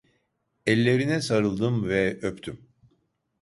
Ellerine sarıldım ve öptüm.